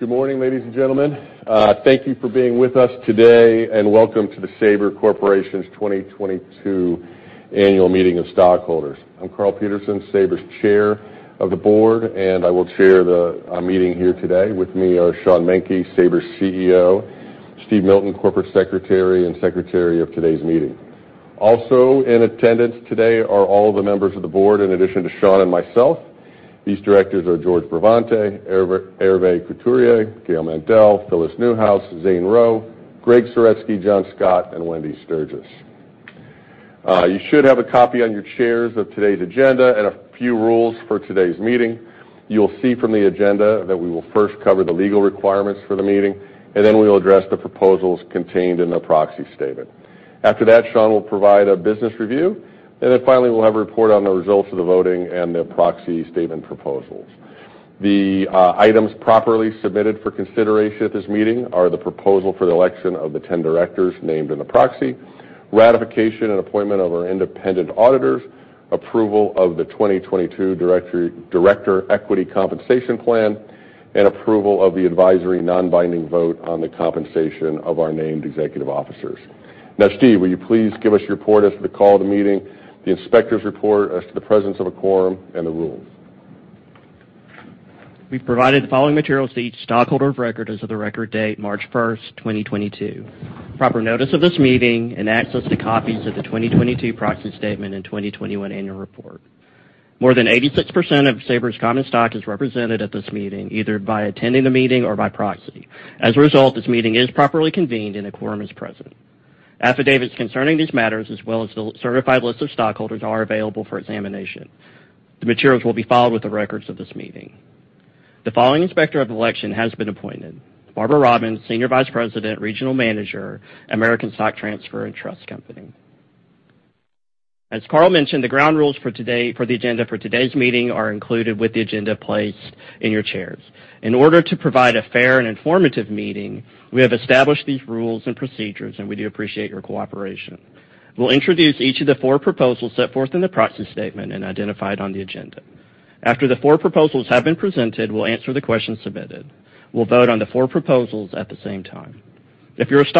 Good morning, ladies and gentlemen. Thank you for being with us today, and welcome to the Sabre Corporation 2022 Annual Meeting of Stockholders. I am Karl Peterson, Sabre's Chairman of the Board, and I will chair the meeting today. After that, Sean will provide a business review, and then finally, we will have a report on the results of the voting and the proxy statement proposals. The items properly submitted for consideration at this meeting are: the proposal for the election of the 10 directors named in the proxy; the ratification and appointment of our independent auditors; approval of the 2022 Director Equity Compensation Plan; and approval of the advisory non-binding vote on the compensation of our named executive officers. We provided the following materials to each stockholder of record as of the record date, March 1, 2022: proper notice of this meeting and access to copies of the 2022 Proxy Statement and 2021 Annual Report. In order to provide a fair and informative meeting, we have established these rules and procedures, and we appreciate your cooperation. We will introduce each of the four proposals set forth in the proxy statement and identified on the agenda. After the four proposals have been presented, we will answer the questions submitted. If you provided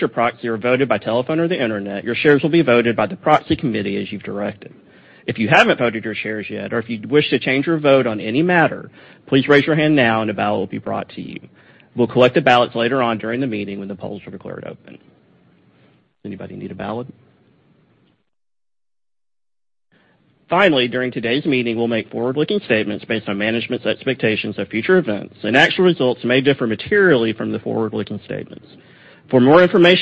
your proxy or voted by telephone or the internet, your shares will be voted by the proxy committee as you directed. In addition,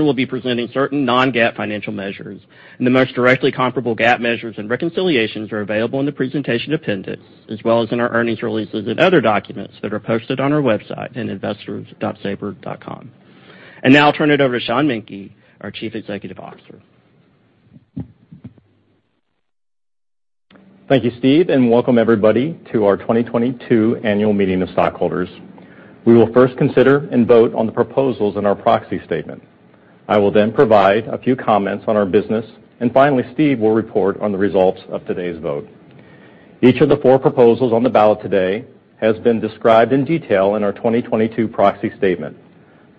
we will be presenting certain non-GAAP financial measures; the most directly comparable GAAP measures and reconciliations are available in the presentation appendix, as well as in our earnings releases at investors.sabre.com. Now, I will turn the meeting over to Sean Menke, our Chief Executive Officer. Thank you, Steve, and welcome to our 2022 Annual Meeting of Stockholders. We will first consider and vote on the proposals in our proxy statement. I will then provide comments on our business, and finally, Steve will report on the results of today's vote. I would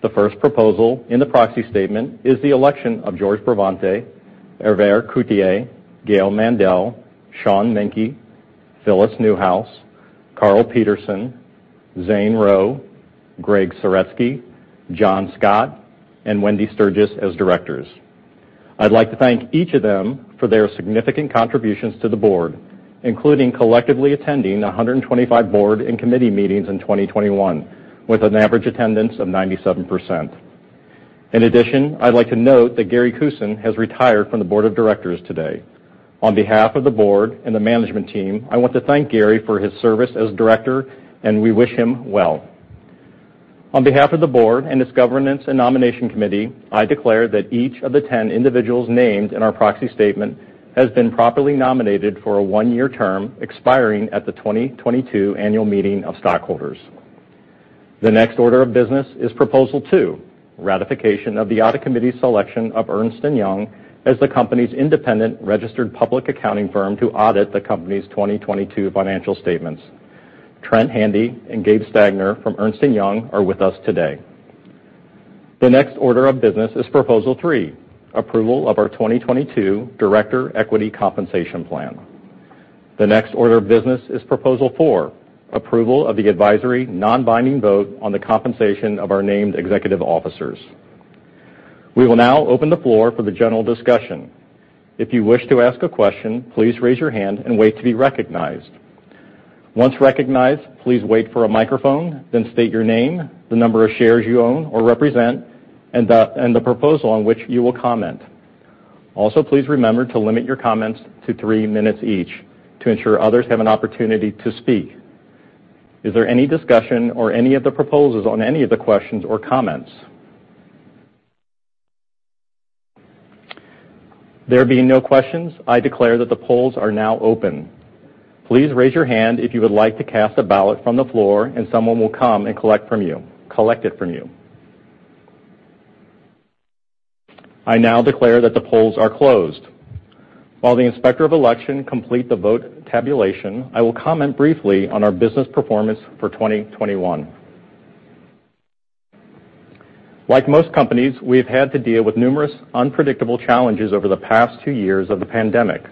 like to note that Gary Kusin has retired from the board of directors today. On behalf of the board and management, I want to thank Gary for his service and we wish him well. On behalf of the board and its Governance and Nomination Committee, I declare that each of the 10 individuals named in our proxy statement has been properly nominated for a one-year term. The next order of business is Proposal 4: approval of the advisory non-binding vote on the compensation of our named executive officers. We will now open the floor for general discussion. I now declare that the polls are closed. While the Inspector of Election completes the vote tabulation, I will comment briefly on our business performance for 2021. Like most companies, we have dealt with numerous unpredictable challenges over the past two years of the pandemic.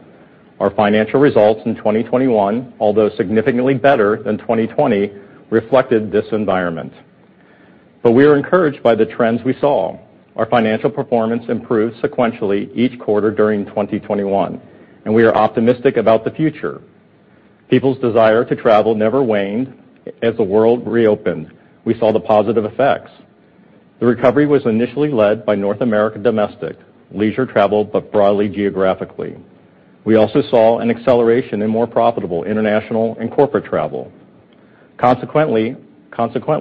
Let me now touch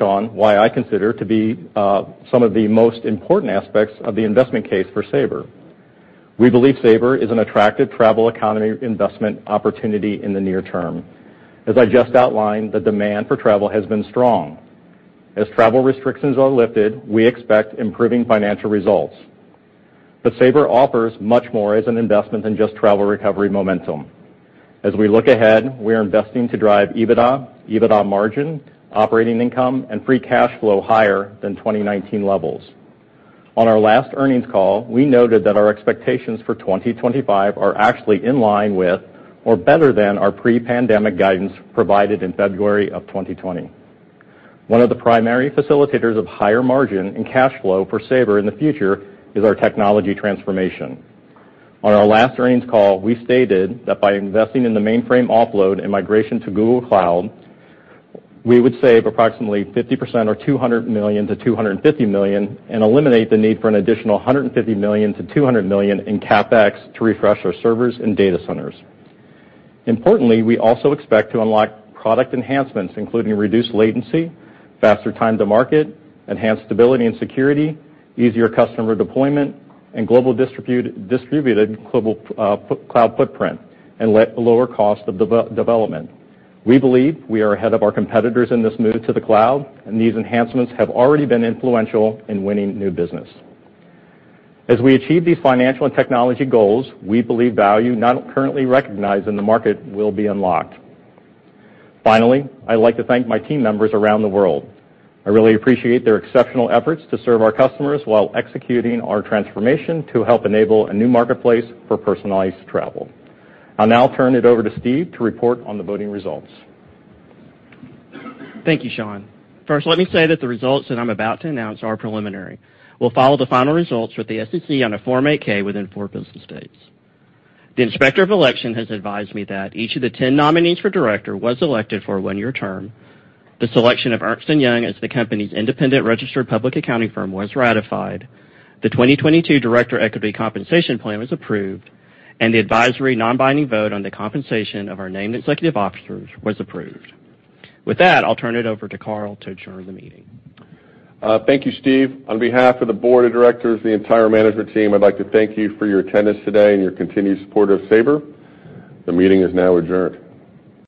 on what I consider to be the most important aspects of the investment case for Sabre. We believe Sabre is an attractive travel economy investment opportunity in the near term. As I outlined, the demand for travel has been strong. On our last earnings call, we stated that by investing in the mainframe offload and migration to Google Cloud, we would save approximately 50%, or $200 million to $250 million. Finally, I would like to thank our team members around the world. I appreciate their exceptional efforts to serve our customers while executing our transformation to help enable a new marketplace for personalized travel. I will now turn the meeting over to Steve to report on the voting results. Thank you, Karl. First, the results I am about to announce are preliminary. We will file the final results with the SEC on a Form 8-K within four business days. Thank you, Steve. On behalf of the board of directors, the entire management team, I'd like to thank you for your attendance today and your continued support of Sabre. The meeting is now adjourned.